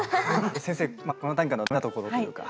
先生この短歌のダメなところというか。